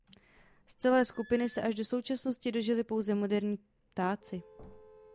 Z celé skupiny se až do současnosti dožili pouze moderní ptáci.